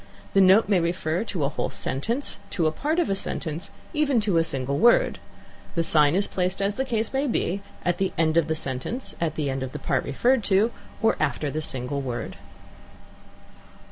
The note may refer to a whole sentence, to a part of a sentence, even to a single word; the sign is placed as the case may be, at the end of the sentence, at the end of the part referred to, or after the single word.